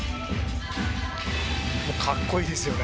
かっこいいですよね。